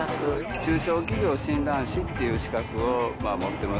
中小企業診断士という資格を持ってます。